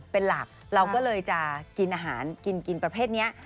เป็นหลักเราก็เลยจะกินอาหารกินประเภทนี้